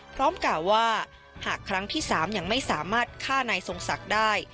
กล่าวว่าหากครั้งที่๓ยังไม่สามารถฆ่านายทรงศักดิ์ได้